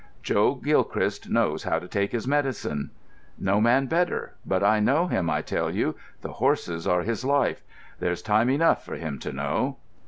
"Joe Gilchrist knows how to take his medicine." "No man better; but I know him, I tell you—the horses are his life. There's time enough for him to know."